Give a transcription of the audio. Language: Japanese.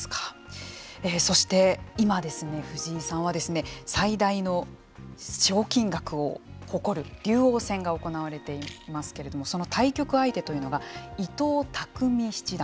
そして今、藤井さんは最大の賞金額を誇る竜王戦が行われていますけれどもその対局相手というのが伊藤匠七段。